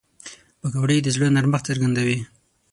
پکورې د زړه نرمښت څرګندوي